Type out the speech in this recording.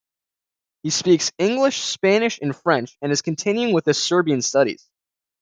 He speaks English, Spanish and French, and is continuing with his Serbian studies.